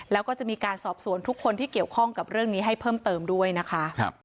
แล้วก็จะมีการสอบสวนทุกคนที่เกี่ยวข้องกับเรื่องนี้ให้เพิ่มเติมด้วยนะคะ